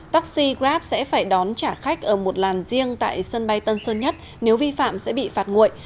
taxi grab sẽ phải đón trả khách ở một làn riêng tại sân bay tân sơn nhất nếu vi phạm sẽ bị phạt nguội